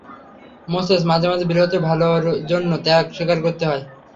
Moses, মাঝে মাঝে, বৃহত্তর ভালোর জন্যে, ত্যাগ স্বীকার করতে হয়।